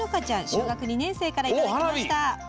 小学２年生からいただきました。